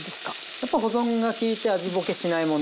やっぱ保存が利いて味ぼけしないもの。